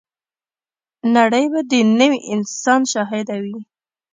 نړۍ به د نوي انسان شاهده وي.